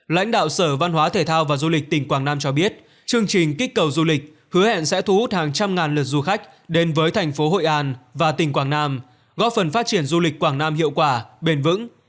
lãnh đạo sở văn hóa thể thao và du lịch tỉnh quảng nam cho biết chương trình kích cầu du lịch hứa hẹn sẽ thu hút hàng trăm ngàn lượt du khách đến với thành phố hội an và tỉnh quảng nam góp phần phát triển du lịch quảng nam hiệu quả bền vững